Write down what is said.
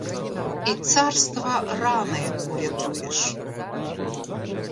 І царства рани уратуєш;